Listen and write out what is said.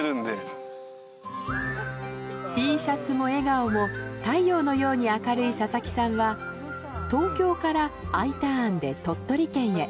Ｔシャツも笑顔も太陽のように明るい佐々木さんは東京からＩターンで鳥取県へ。